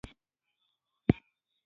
منی د یادونو وخت دی